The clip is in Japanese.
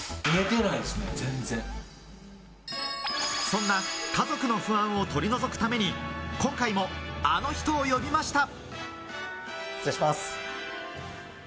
そんな家族の不安を取り除くために今回もあの人を呼びました。